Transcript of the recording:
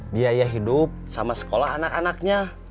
biaya hidup sama sekolah anak anaknya